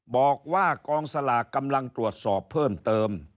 บอกว่ากองสลากกำลังตรวจสอบเพิ่มเติม